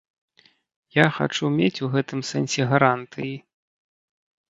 Я хачу мець у гэтым сэнсе гарантыі.